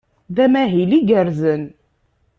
D amahil igerrzen.